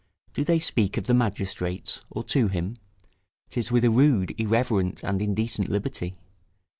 Do they speak of the magistrates, or to him, 'tis with a rude, irreverent, and indecent liberty.